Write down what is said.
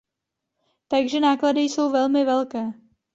Takže náklady jsou velmi velké.